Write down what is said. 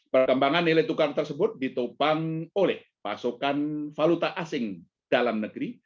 perkembangan nilai tukar tersebut ditopang oleh pasokan valuta asing dalam negeri